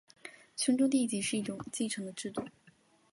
兄终弟及是一种继承的制度。